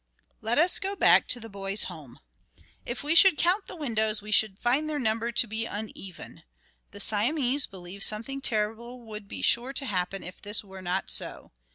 Let us go back to the boy's home. If we should count the windows, we should find their number to be uneven. The Siamese believe something terrible would be sure to happen if this were not so.